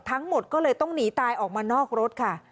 ทั้งหมดก็เลยต้องหนีตายออกมานอกรถค่ะ